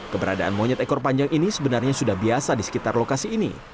keberadaan monyet ekor panjang ini sebenarnya sudah biasa di sekitar lokasi ini